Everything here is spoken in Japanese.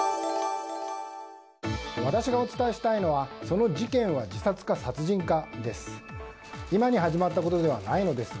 私がお伝えしたいのはその事件は自殺か殺人かです。